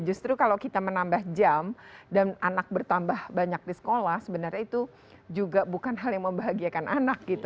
justru kalau kita menambah jam dan anak bertambah banyak di sekolah sebenarnya itu juga bukan hal yang membahagiakan anak gitu